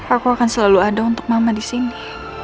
aku akan selalu ada untuk mama disini